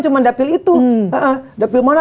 cuma dapil itu dapil mana